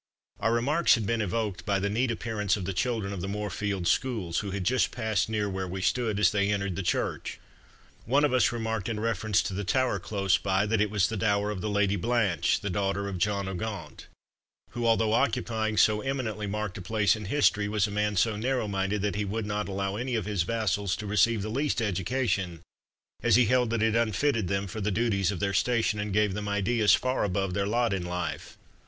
Our remarks had been evoked by the neat appearance of the children of the Moorfields Schools, who had just passed near where we stood, as they entered the church. One of us remarked in reference to the Tower close by, that it was the dower of the Lady Blanche, the daughter of John O'Gaunt, who, although occupying so eminently marked a place in history, was a man so narrow minded that he would not allow any of his vassals to receive the least education as he held that it unfitted them for the duties of their station, and gave them ideas far above their lot in life.